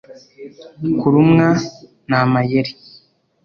kurumwa ni amayeri